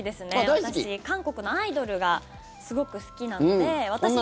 私、韓国のアイドルがすごく好きなので。